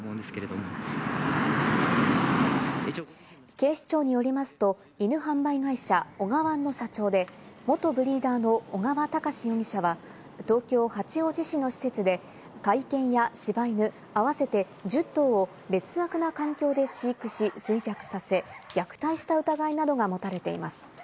警視庁によりますと、犬販売会社「おがわん」の社長で元ブリーダーの尾川隆容疑者は、東京・八王子市の施設で甲斐犬や柴犬、合わせて１０頭を劣悪な環境で飼育し衰弱させ、虐待した疑いなどが持たれています。